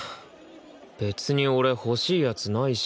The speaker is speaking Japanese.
別に俺欲しいやつないし。